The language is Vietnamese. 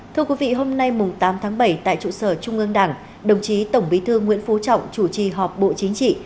thưa quý vị hôm nay tám tháng bảy tại trụ sở trung ương đảng đồng chí tổng bí thư nguyễn phú trọng chủ trì họp bộ chính trị